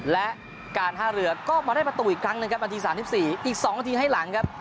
และการท่าเรือก็มาได้ประตูอีกครั้งหนึ่งครับนาที๓๔อีก๒นาทีให้หลังครับ